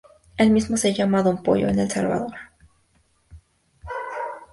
El mismo se llama "Don Pollo" en El Salvador.